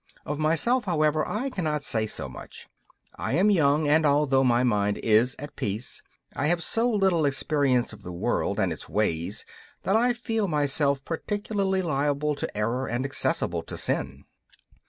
Of myself, however, I cannot say so much. I am young, and although my mind is at peace, I have so little experience of the world and its ways that I feel myself peculiarly liable to error and accessible to sin.